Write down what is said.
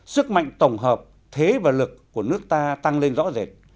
sức mạnh tổng hợp thế và lực của nước ta tăng lên rõ rệt